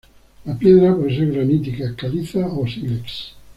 La piedra puede ser granítica, caliza o sílex.